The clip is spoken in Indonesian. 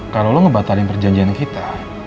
kalau lo ngebatalin perjanjian kita